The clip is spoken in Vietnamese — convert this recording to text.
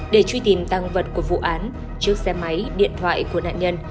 để truy tìm tăng vật của vụ án chiếc xe máy điện thoại của nạn nhân